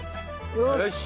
よし。